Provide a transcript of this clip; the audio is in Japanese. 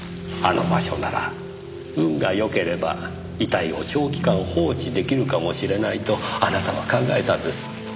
あの場所なら運が良ければ遺体を長期間放置出来るかもしれないとあなたは考えたんです。